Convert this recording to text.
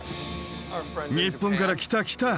日本から来た来た！